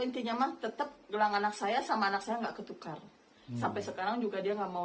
intinya mah tetap gelang anak saya sama anak saya enggak ketukar sampai sekarang juga dia nggak mau